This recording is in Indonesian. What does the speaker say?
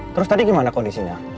terus tadi gimana kondisinya